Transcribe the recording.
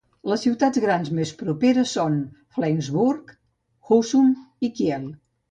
Les ciutats grans més properes són Flensburg, Husum i Kiel.